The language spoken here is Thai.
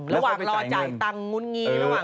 ระหว่างรอจ่ายตังค์งุ่นงี้ระหว่าง